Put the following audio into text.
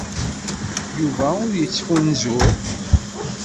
Yuba ur yettfunzur.